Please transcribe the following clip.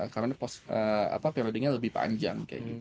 karena periodenya lebih panjang